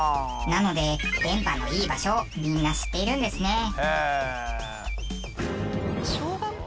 なので電波のいい場所をみんな知っているんですね。